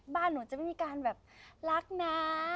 บ้านหนูจะไม่มีการแบบรักนะ